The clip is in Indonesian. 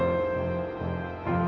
aku ialah seorang bule